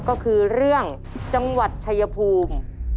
ก็คือเรื่องจังหวัดชายภูมิ